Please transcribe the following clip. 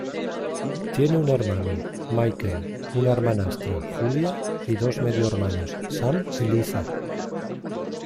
Tiene un hermano, Michael, una hermanastra, Julia, y dos medios hermanos, Sam y Liza.